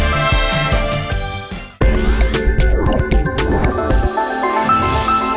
โปรดติดตามตอนต่อไป